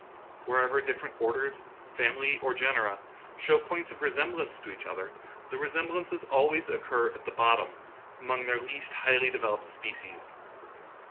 Wherever different orders, families, or genera show points of resemblance to each other, the resemblances occur always at the bot tom, among their least highly developed species.